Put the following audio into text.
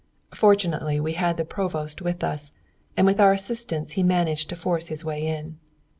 Fortunately we had the Provost with us, and with our assistance he managed to force his way in.